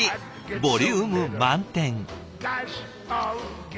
ボリューム満点。